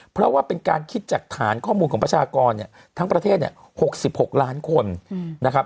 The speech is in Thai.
เพราะว่าเป็นการคิดจากฐานข้อมูลของประชากรเนี่ยทั้งประเทศเนี่ย๖๖ล้านคนนะครับ